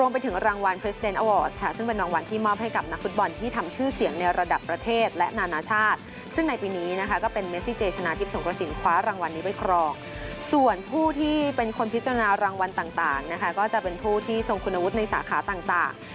ส่วนผู้ที่เป็นคนพิจารณารางวัลต่างนะคะก็จะเป็นผู้ที่ทรงคุณวุฒิในสาขาต่าง